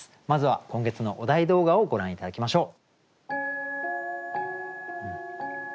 まずは今月のお題動画をご覧頂きましょう。